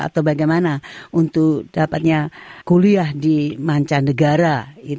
atau bagaimana untuk dapatnya kuliah di mancanegara